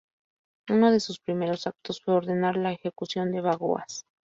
Uno de sus primeros actos fue ordenar la ejecución de Bagoas.